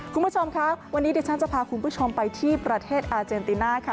คุณผู้ชมครับวันนี้เดี๋ยวฉันจะพาคุณผู้ชมไปที่ประเทศอาเจนติน่าค่ะ